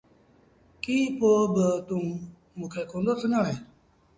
ڪيٚ پوء با توٚنٚ موٚنٚ کي ڪوندو سُڃآڻي؟